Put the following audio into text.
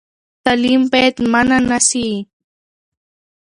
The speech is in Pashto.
تعلیم باید منع نه سي.